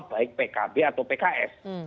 baik pkb atau pks